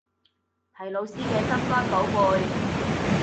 係老師嘅心肝寶貝